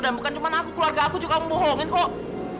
dan bukan cuma aku keluarga aku juga kamu bohongin kok